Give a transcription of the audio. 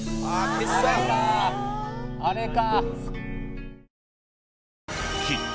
あれか。